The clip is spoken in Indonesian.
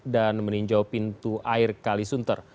dan meninjau pintu air kalisunter